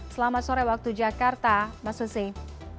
selamat sore waktu jakarta mas hussein